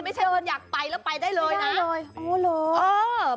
ไม่ใช่คนอยากไปแล้วไปได้เลยนะ